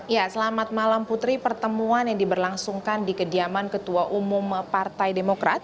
ya selamat malam putri pertemuan yang diberlangsungkan di kediaman ketua umum partai demokrat